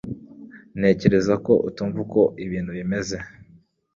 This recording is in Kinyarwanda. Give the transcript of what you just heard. Ntekereza ko utumva uko ibintu bimeze